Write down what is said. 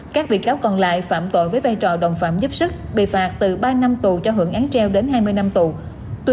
các bị cáo còn lại phạm tội với vai trò đồng phạm giúp sức bị phạt từ ba năm tù cho hưởng án treo đến hai mươi năm tù